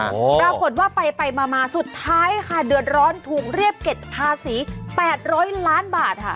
ปรากฏว่าไปไปมามาสุดท้ายค่ะเดือดร้อนถูกเรียกเก็บภาษี๘๐๐ล้านบาทค่ะ